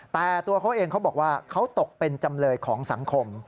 แต่ตัวเขาเองเขาบอกว่าเขาตกเป็นจำเลยของสังคม